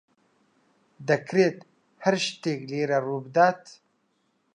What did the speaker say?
دەکرێت هەر شتێک لێرە ڕووبدات.